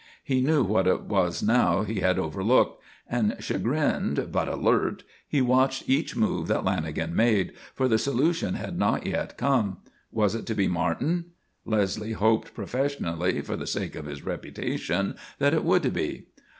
He knew what it was now that he had overlooked; and, chagrined but alert, he watched each move that Lanagan made, for the solution had not yet come. Was it to be Martin? Leslie hoped professionally, for the sake of his reputation, that it would be.